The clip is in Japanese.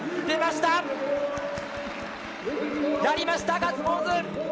出ました！